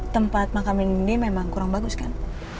tempat makam nindi memang kurang bagus kan